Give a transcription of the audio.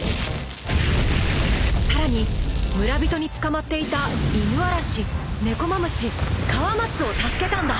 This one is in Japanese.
［さらに村人に捕まっていたイヌアラシネコマムシ河松を助けたんだ］